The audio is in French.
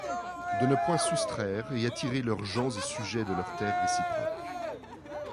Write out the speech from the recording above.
De ne point soustraire et attirer leurs gens et sujets de leurs terres réciproques.